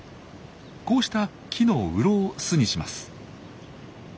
こうした木のうろを巣にします。